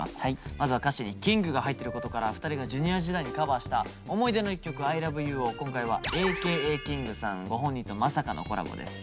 まずは歌詞に「ＫＩＮＧ」が入っていることから２人がＪｒ．時代にカバーした思い出の一曲「愛ＬｏｖｅＹｏｕ」を今回はＡ．Ｋ．ＡＫＩＮＧさんご本人とまさかのコラボです。